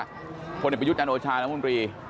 คนเอกประวิทยุทธิ์จันทร์โอชาและมุมบรี